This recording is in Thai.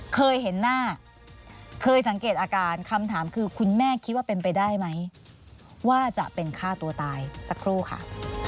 เคยเห็นหน้าเคยสังเกตอาการคำถามคือคุณแม่คิดว่าเป็นไปได้ไหมว่าจะเป็นฆ่าตัวตายสักครู่ค่ะ